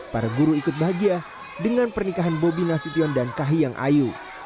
para guru ikut bahagia dengan pernikahan bobi nasution dan kahiyang ayu